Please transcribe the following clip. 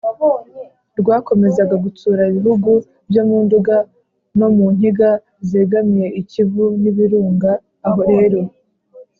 rwakomezaga gutsura ibihugu byo mu nduga, no mu nkiga zegamiye ikivu n’ibirunga. aho rero